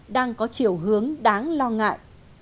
đang có chiều hướng đáng lo ngại